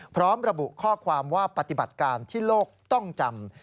พร้อมระบุข้อความว่าปฏิบัติการที่โลกต้องจำ